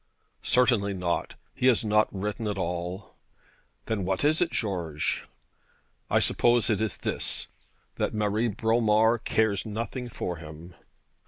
'Certainly not. He has not written at all.' 'Then what is it, George?' 'I suppose it is this, that Marie Bromar cares nothing for him.'